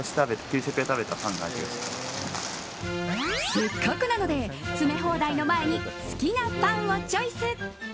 せっかくなので詰め放題の前に好きなパンをチョイス。